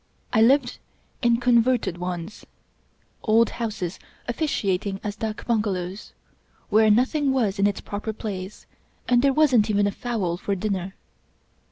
I lived in "converted" ones— old houses officiating as dak bunga lows — where nothing was in its proper place and there wasn't even a fowl for dinner.